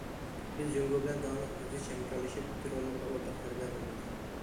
بىز جۇڭگو بىلەن داۋاملىق زىچ ھەمكارلىشىپ، تېررورلۇققا ئورتاق زەربە بېرىمىز.